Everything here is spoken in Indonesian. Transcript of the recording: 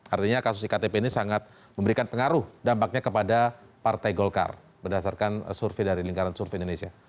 artinya kasus iktp ini sangat memberikan pengaruh dampaknya kepada partai golkar berdasarkan survei dari lingkaran survei indonesia